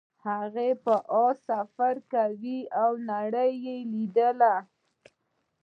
هغه په اس سفر کاوه او نړۍ یې لیدله.